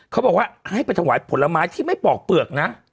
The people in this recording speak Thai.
เขาบอกว่าให้ไปถวายผลไม้ที่ไม่ปอกเปลือกนะ